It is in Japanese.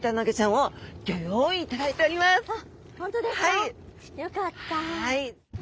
はい。